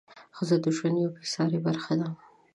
ښځه د ژوند یوه بې سارې برخه ده.